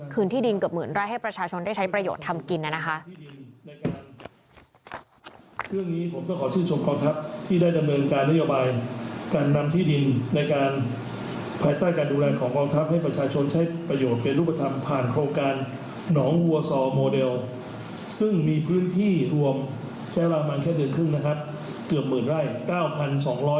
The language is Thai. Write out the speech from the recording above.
ที่ดินเกือบหมื่นไร่ให้ประชาชนได้ใช้ประโยชน์ทำกินนะคะ